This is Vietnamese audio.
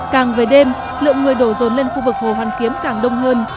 càng về đêm lượng người đổ rồn lên khu vực hồ hoàn kiếm càng đông hơn